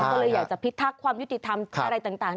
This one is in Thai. ก็เลยอยากจะพิทักษ์ความยุติธรรมอะไรต่าง